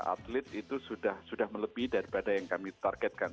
atlet itu sudah melebih daripada yang kami targetkan